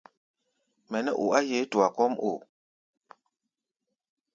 Mɛ nɛ́ o á yeé tua kɔ́ʼm o?